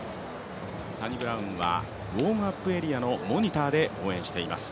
サニブラウンはウォームアップエリアのモニターで応援しています。